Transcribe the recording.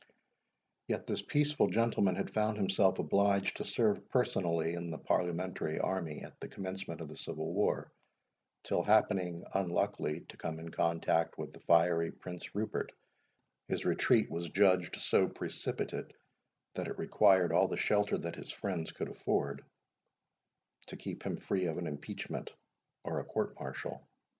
Yet this peaceful gentleman had found himself obliged to serve personally in the Parliamentary army at the commencement of the Civil War, till happening unluckily to come in contact with the fiery Prince Rupert, his retreat was judged so precipitate, that it required all the shelter that his friends could afford, to keep him free of an impeachment or a court martial.